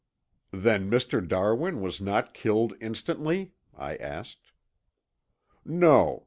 "Then Mr. Darwin was not killed instantly?" I asked. "No.